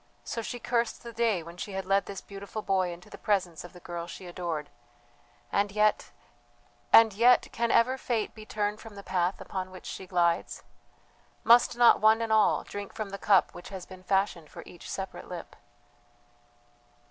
So she cursed the day when she had led this beautiful boy into the presence of the girl she adored. And yet and yet can ever Fate be turned from the path upon which she glides? Must not one and all drink from the cup which has been fashioned for each separate lip?